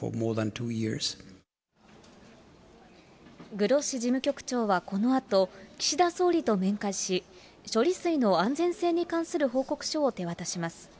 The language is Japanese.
グロッシ事務局長はこのあと、岸田総理と面会し、処理水の安全性に関する報告書を手渡します。